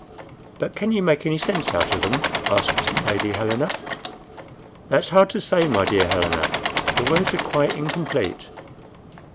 "But can you make any sense out of them?" asked Lady Helena. "That's hard to say, my dear Helena, the words are quite incomplete."